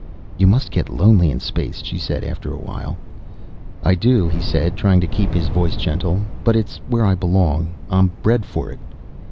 "You must get lonely in space," she said after a while. "I do," he said, trying to keep his voice gentle. "But it's where I belong. I'm bred for it."